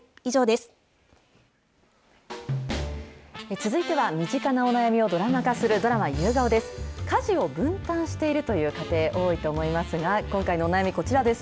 続いては身近なお悩みをドラマ化する、ドラマ夕顔です。